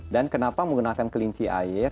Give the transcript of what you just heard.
dan kenapa menggunakan kelinci air